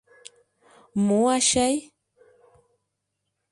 — Мо «ачай»?